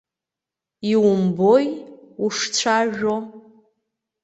Иумбои ушцәажәо!